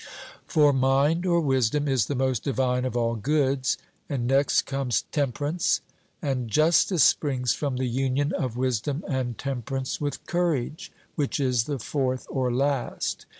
For mind or wisdom is the most divine of all goods; and next comes temperance, and justice springs from the union of wisdom and temperance with courage, which is the fourth or last.